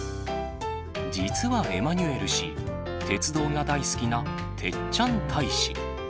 実はエマニュエル氏、鉄道が大好きな鉄っちゃん大使。